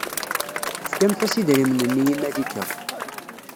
Tefkamt-as idrimen-nni i Malika.